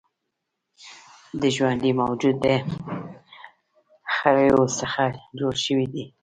هر ژوندی موجود د خلیو څخه جوړ شوی دی